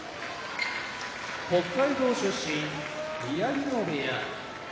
北海道出身宮城野部屋